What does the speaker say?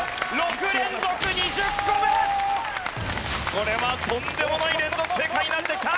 これはとんでもない連続正解になってきた！